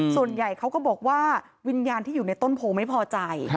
ส่วนใหญ่เขาก็บอกว่าวิญญาณที่อยู่ในต้นโพไม่พอใจ